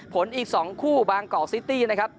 อีก๒คู่บางกอกซิตี้นะครับ